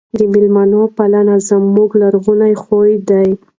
د مېلمنو پالنه زموږ لرغونی خوی دی.